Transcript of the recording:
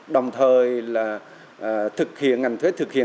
đồng thời ngành thuế thực hiện cảnh báo đến các doanh nghiệp